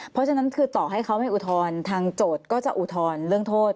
เพราะฉะนั้นคือต่อให้เขาไม่อุทธรณ์ทางโจทย์ก็จะอุทธรณ์เรื่องโทษ